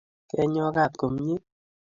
kenyo kat ko mie